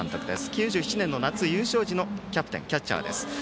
９７年の夏、優勝時のキャプテン、キャッチャーです。